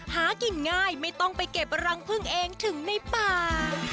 หากินง่ายไม่ต้องไปเก็บรังพึ่งเองถึงในป่า